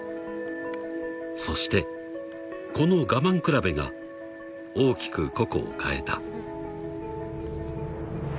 ［そしてこの我慢比べが大きくココを変えた］